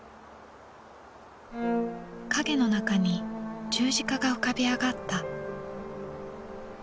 影の中に十字架が浮かび上がった。